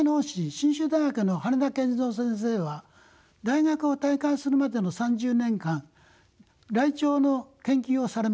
信州大学の羽田健三先生は大学を退官するまでの３０年間ライチョウの研究をされました。